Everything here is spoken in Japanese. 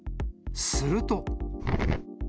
すると。